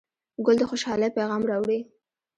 ګل د خوشحالۍ پیغام راوړي.